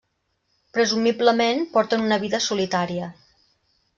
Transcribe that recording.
Presumiblement, porten una vida solitària.